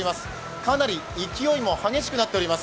かなり勢いも激しくなっております。